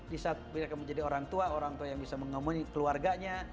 di saat mereka menjadi orang tua orang tua yang bisa mengomoni keluarganya